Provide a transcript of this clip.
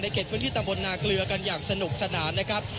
เขตพื้นที่ตำบลนาเกลือกันอย่างสนุกสนานนะครับ